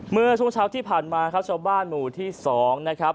เมื่อช่วงเช้าที่ผ่านมาครับชาวบ้านหมู่ที่๒นะครับ